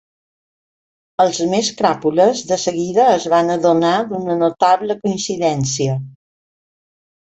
Els més cràpules de seguida es van adonar d'una notable coincidència.